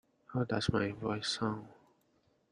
How does my voice sound?